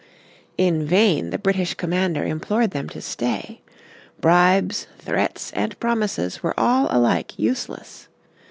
In vain the British commander implored them to stay. Bribes, threats, and promises were all alike useless.